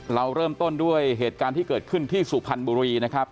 เราเริ่มต้นด้วยเหตุการณ์ที่เกิดขึ้นที่สุพรรณบุรีนะครับ